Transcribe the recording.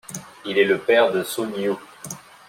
Il est le père de Sun Yu.